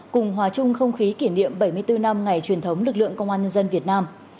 cùng hòa chung không khí kỷ niệm bảy mươi bốn năm ngày truyền thống lực lượng công an nhân dân việt nam